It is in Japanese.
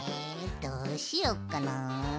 どうしよっかなあ。